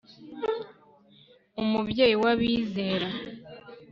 umubyeyi w'abizera